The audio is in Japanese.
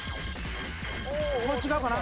これ違うかな？